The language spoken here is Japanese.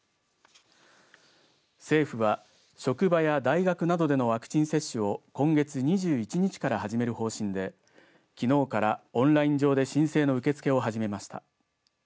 政府は、職場や大学などでのワクチン接種を今月２１日から始める方針できのうからオンライン上で申請の受け付けを始めました。